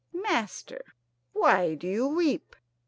"Master, why do you weep?"